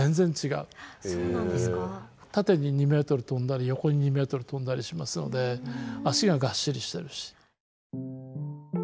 縦に２ｍ跳んだり横に２ｍ跳んだりしますので脚ががっしりしてるし。